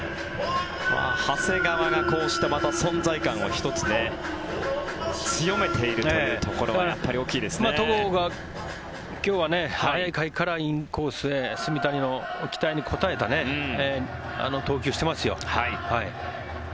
長谷川がこうしてまた存在感を１つ強めているというところが戸郷が今日は早い回からインコースへ炭谷の期待に応えた投球をしてますよ。